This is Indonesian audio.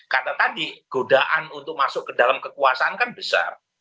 karena tadi godaan untuk masuk ke dalam kekuasaan kan besar